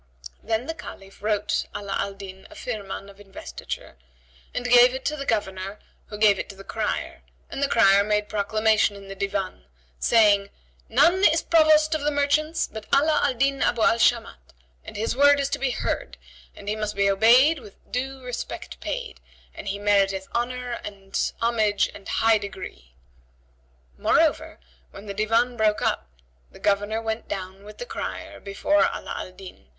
Then the Caliph wrote Ala al Din a Firman[FN#78] of investiture and gave it to the Governor who gave it to the crier,[FN#79] and the crier made proclamation in the Divan saying, "None is Provost of the merchants but Ala al Din Abu al Shamat, and his word is to be heard, and he must be obeyed with due respect paid, and he meriteth homage and honour and high degree!" Moreover, when the Divan broke up, the Governor went down with the crier before Ala Al Din!"